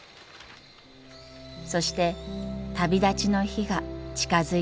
そして旅立ちの日が近づいてきました。